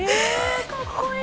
かっこいい。